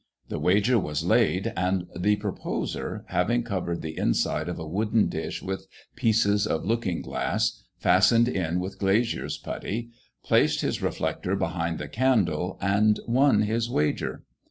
The wager was laid, and the proposer, having covered the inside of a wooden dish with pieces of looking glass, fastened in with glaziers' putty, placed his reflector behind the candle, and won his wager.